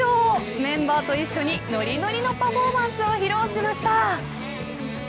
メンバーと一緒に、のりのりのパフォーマンスを披露しました。